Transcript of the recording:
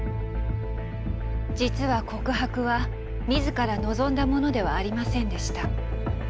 実は告白は自ら望んだものではありませんでした。